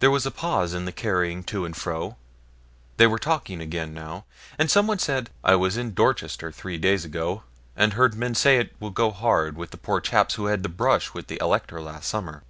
There was a pause in the carrying to and fro; they were talking again now, and someone said 'I was in Dorchester three days ago, and heard men say it will go hard with the poor chaps who had the brush with the Elector last summer.